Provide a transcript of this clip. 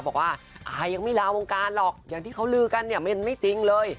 บอกว่าอายยังไม่ลาวงการหรอกอย่างที่เขาลือกันเนี่ยมันไม่จริงเลย